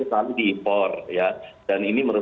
selalu diimpor dan ini